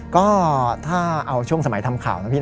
ก็ถ้าเอาช่วงสมัยทำข่าวนะพี่